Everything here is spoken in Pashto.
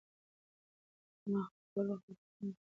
ما خپل ټول وخت په فکرونو کې تېر کړ.